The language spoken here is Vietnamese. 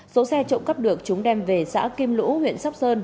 số xe trộm cắp được chúng đem về xã kim lũ huyện sóc sơn